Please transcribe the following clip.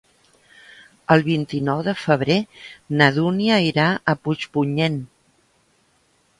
El vint-i-nou de febrer na Dúnia irà a Puigpunyent.